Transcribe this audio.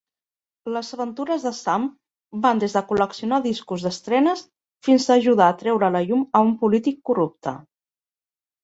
Les aventures de Sam van des de col·leccionar discos d'estrenes fins a ajudar a treure a la llum a un polític corrupte.